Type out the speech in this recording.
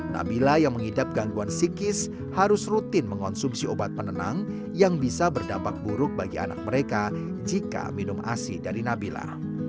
nabila yang mengidap gangguan psikis harus rutin mengonsumsi obat penenang yang bisa berdampak buruk bagi anak mereka jika minum asi dari nabila